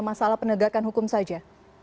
masalah penegakan hukum saja